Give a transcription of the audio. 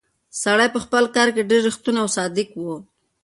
سړی په خپل کار کې ډېر ریښتونی او صادق و.